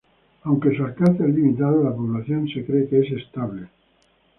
Aunque su alcance es limitado, la población se cree que es estable.